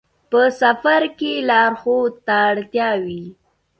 په سفر کې لارښود ته اړتیا وي.